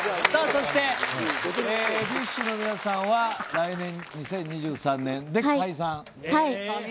そして、ＢｉＳＨの皆さんは来年２０２３年で解散。